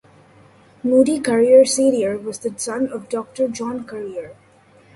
Moody Currier Senior was the son of Doctor John Currier.